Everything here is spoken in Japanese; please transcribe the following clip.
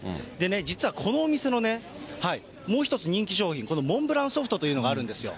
実はこのお店のもう１つ人気商品、このモンブランソフトというのがあるんですよ。